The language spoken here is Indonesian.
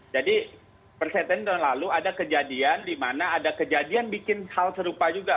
jadi persetan tahun lalu ada kejadian di mana ada kejadian bikin hal serupa juga